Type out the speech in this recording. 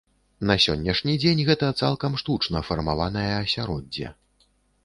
На сённяшні дзень гэта цалкам штучна фармаванае асяроддзе.